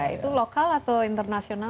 itu lokal atau internasional